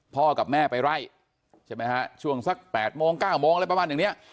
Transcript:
พ่อกับแม่ไปไล่ใช่ไหมฮะช่วงสัก๘โมง๙โมงอะไรประมาณอย่างนี้